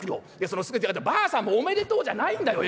「そのばあさんもおめでとうじゃないんだよ！